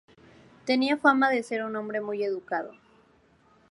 Tenía fama de ser un hombre muy educado.